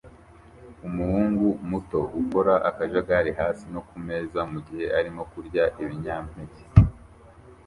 umuhungu muto ukora akajagari hasi no kumeza mugihe arimo kurya ibinyampeke